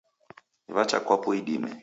Wacha kwapo idime.